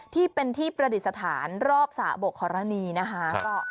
ที่เป็นที่ประดิษฐานรอบสระบกครณีนะคะ